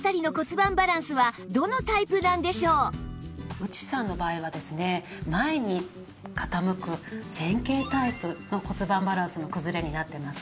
内さんの場合はですね前に傾く前傾タイプの骨盤バランスの崩れになっていますね。